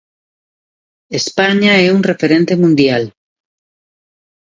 España é un referente mundial.